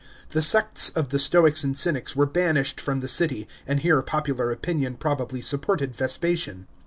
The sects of the Stoics and Cynics were banished from the city, and here popular opinion probably supported Vespasian.